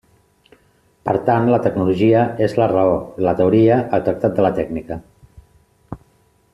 Per tant, la tecnologia és la raó, la teoria, el tractat de la tècnica.